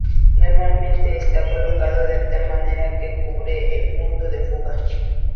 Normalmente están colocados de tal manera que cubren el punto de fuga.